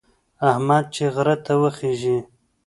احمد چې غره ته وخېژي،